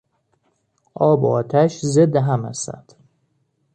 آب و آتش ضد هم هستند.